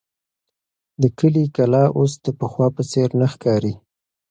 د کلي کلا اوس د پخوا په څېر نه ښکاري.